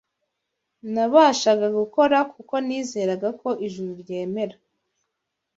Nabashaga gukora kuko nizeraga ko Ijuru ryemera